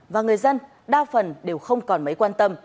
và người dân đa phần đều không còn mấy quan tâm